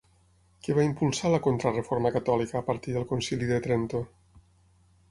Què va impulsar la Contrareforma catòlica a partir del Concili de Trento?